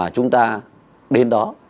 chúng ta đến đó